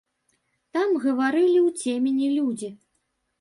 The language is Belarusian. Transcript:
Там гаварылі ў цемені людзі.